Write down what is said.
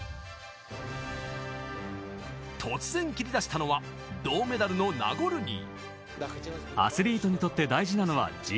突然切り出したのは銅メダルのナゴルニー。